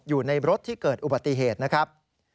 อยู่ในรถที่เกิดอุบัติเหตุนะครับ